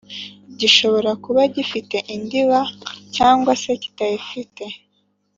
gishobora kuba gifite indiba cg se kitayifite